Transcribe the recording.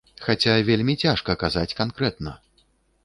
Хаця вельмі цяжка казаць канкрэтна.